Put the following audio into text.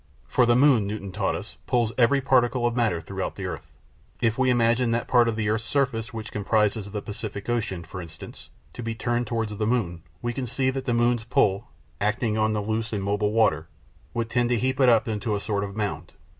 For the moon, Newton taught us, pulls every particle of matter throughout the earth. If we imagine that part of the earth's surface which comprises the Pacific Ocean, for instance, to be turned towards the moon, we see that the moon's pull, acting on the loose and mobile water, would tend to heap it up into a sort of mound.